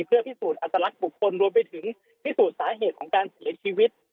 เพื่อพิสูจน์อัตลักษณ์บุคคลรวมไปถึงพิสูจน์สาเหตุของการเสียชีวิต